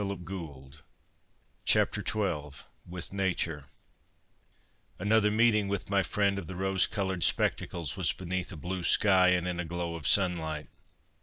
XII WITH NATURE XII WITH NATURE Another meeting with my friend of the rose coloured spectacles was beneath a blue sky and in a ' glow of sunlight.'